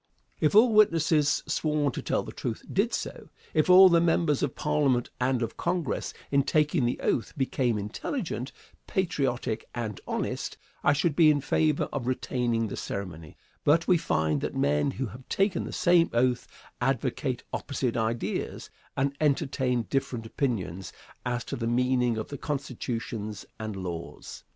If all witnesses sworn to tell the truth, did so, if all members of Parliament and of Congress, in taking the oath, became intelligent, patriotic, and honest, I should be in favor of retaining the ceremony; but we find that men who have taken the same oath advocate opposite ideas, and entertain different opinions, as to the meaning of constitutions and laws.